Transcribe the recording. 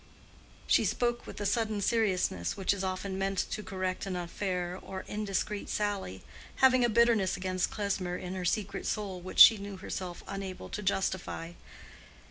She spoke with the sudden seriousness which is often meant to correct an unfair or indiscreet sally, having a bitterness against Klesmer in her secret soul which she knew herself unable to justify.